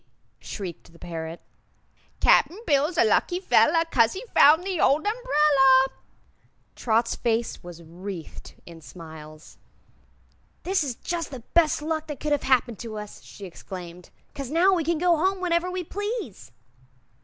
shrieked the parrot; "Cap'n Bill's a lucky fellah, 'Cause he found the old umbrella!" Trot's face was wreathed in smiles. "This is jus' the best luck that could have happened to us," she exclaimed, "'cause now we can go home whenever we please."